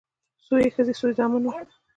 څو يې ښځې څو زامن وه